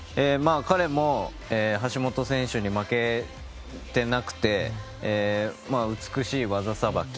彼も橋本選手に負けてなくて美しい技さばき。